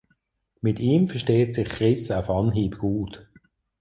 Mit ihm versteht sich Chris auf Anhieb gut.